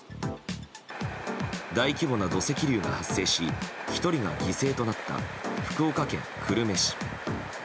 大規模な土石流が発生し１人が犠牲となった福岡県久留米市。